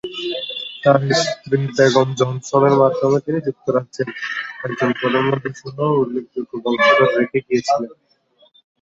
তাঁর স্ত্রী বেগম জনসনের মাধ্যমে তিনি যুক্তরাজ্যের একজন প্রধানমন্ত্রী সহ উল্লেখযোগ্য বংশধর রেখে গিয়েছিলেন।